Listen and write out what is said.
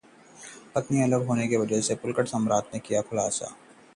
पत्नी से अलग होने की वजह का पुलकित सम्राट ने किया खुलासा